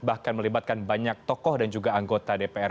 bahkan melibatkan banyak tokoh dan juga anggota dpr